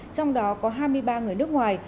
trong đó có hai mươi ba người nước ngoài